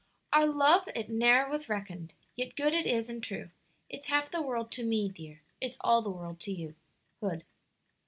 "Our love, it ne'er was reckoned, Yet good it is and true; It's half the world to me, dear, It's all the world to you." Hood.